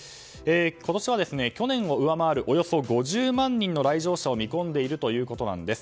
今年は去年を上回るおよそ５０万人の来場者を見込んでいるということなんです。